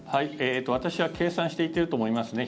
私は計算して言っていると思いますね。